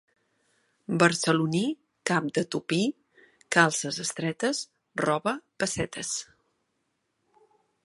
Barceloní, cap de tupí, calces estretes, roba pessetes.